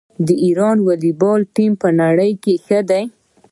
د ایران والیبال ټیم په نړۍ کې ښه دی.